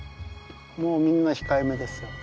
もうみんな控えめですよ。